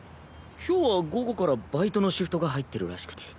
今日は午後からバイトのシフトが入ってるらしくて。